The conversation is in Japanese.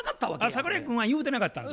桜井君は言うてなかったんや。